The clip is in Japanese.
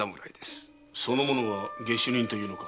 その者が下手人というのか？